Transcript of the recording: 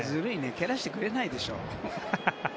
蹴らしてくれないでしょ。